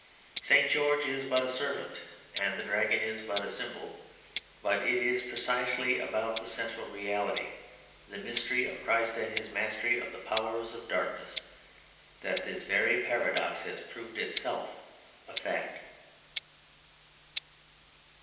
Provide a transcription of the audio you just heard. St. George is but a servant and the Dragon is but a symbol, but it is precisely about the central reality, the mystery of Christ and His mastery of the powers of darkness, that this very paradox has proved itself a fact.